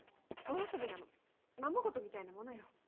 お遊びなのままごとみたいなものよ